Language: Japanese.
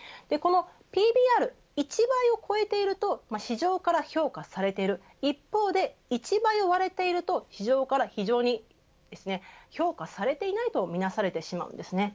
ＰＢＲ、１倍を超えていると市場から評価されている一方で、１倍を割れていると市場から非常に評価されていないとみなされてしまうんですね。